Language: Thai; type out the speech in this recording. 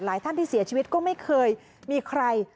ท่านที่เสียชีวิตก็ไม่เคยมีใคร